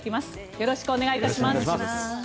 よろしくお願いします。